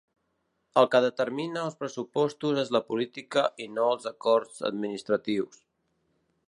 El que determina els pressupostos és la política i no els acords administratius.